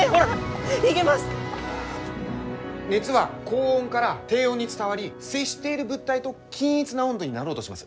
熱は高温から低温に伝わり接している物体と均一な温度になろうとします。